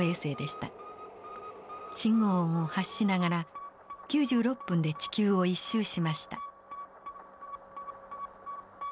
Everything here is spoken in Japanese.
信号音を発しながら９６分で地球を１周しました。